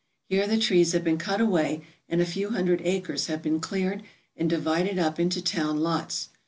Here the trees have been cut away and a few hundred acres have been cleared and divided up into town lots.